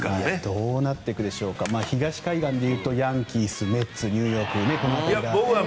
どうなっていくでしょうか東海岸で行くとヤンキース、メッツニューヨーク、この辺りが。